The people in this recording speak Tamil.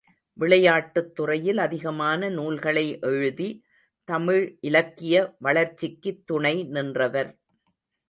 விளையாட்டுத்துறையில் அதிகமான நூல்களை எழுதி, தமிழ் இலக்கிய வளர்ச்சிக்கு துணை நின்றவர்.